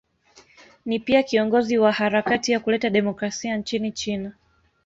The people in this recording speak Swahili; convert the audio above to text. Ni pia kiongozi wa harakati ya kuleta demokrasia nchini China.